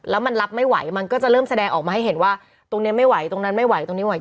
แล้วมันรับไม่ไหวมันก็จะเริ่มแสดงออกมาให้เห็นว่าตรงนี้ไม่ไหวตรงนั้นไม่ไหวตรงนี้ไหว